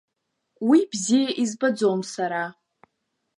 Ус бзиа избаӡом сара.